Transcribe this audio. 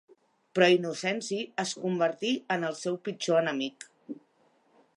Però Innocenci es convertí en el seu pitjor enemic.